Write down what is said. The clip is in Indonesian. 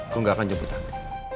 aku gak akan jemput tangan